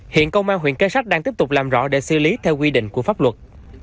hiện công an huyện kế sách đang tiếp tục làm rõ để xử lý theo quy định của pháp luật